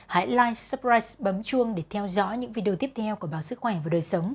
hãy like subscribe bấm chuông để theo dõi những video tiếp theo của báo sức khỏe và đời sống